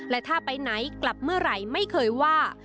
และถ้าไปไหนกลับเมื่อไหร่ไม่เคยว่า